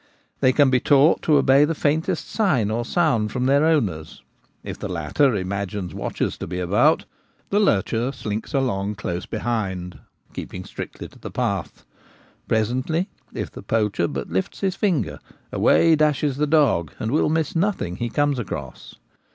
They can be taught to obey the faintest sign or sound from their owners. If the latter imagine watchers to be about, the lurcher slinks along close behind, keeping strictly to the path. Presently, if the poacher but lifts his finger, away dashes the dog, and will miss nothing he comes across.